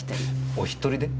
お１人で？